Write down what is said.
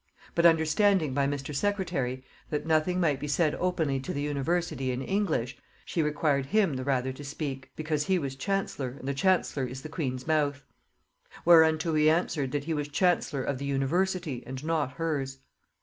But understanding by Mr. Secretary that nothing might be said openly to the university in English, she required him the rather to speak; because he was chancellor, and the chancellor is the queen's mouth. Whereunto he answered, that he was chancellor of the university, and not hers.